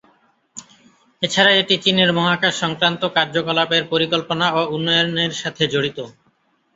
এছাড়া এটি চীনের মহাকাশ সংক্রান্ত কার্যকলাপের পরিকল্পনা ও উন্নয়নের সাথে জড়িত।